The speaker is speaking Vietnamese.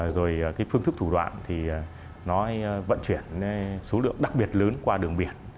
rồi cái phương thức thủ đoạn thì nó vận chuyển số lượng đặc biệt lớn qua đường biển